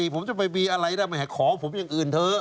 ผมจะไปมีอะไรได้ไม่ให้ขอผมอย่างอื่นเถอะ